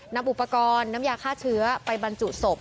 นำอุปกรณ์น้ำยาฆ่าเชื้อไปบรรจุศพ